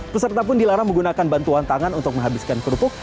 peserta pun dilarang menggunakan bantuan tangan untuk menghabiskan kerupuk